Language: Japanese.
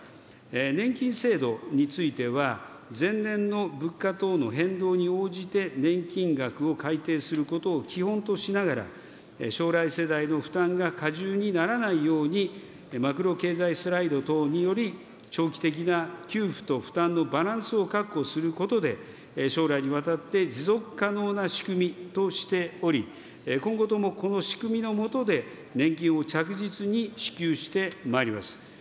年金制度については、前年の物価等の変動に応じて年金額を改定することを基本としながら、将来世代の負担がかじゅうにならないように、マクロ経済スライド等により、長期的な給付と負担のバランスを確保することで、将来にわたって持続可能な仕組みとしており、今後ともこの仕組みの下で、年金を着実に支給してまいります。